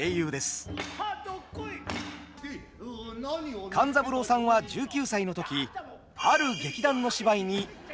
勘三郎さんは１９歳の時ある劇団の芝居に大きな衝撃を受けました。